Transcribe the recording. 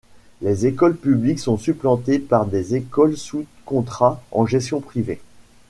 Les écoles publiques sont supplantées par des écoles sous contrat en gestion privée.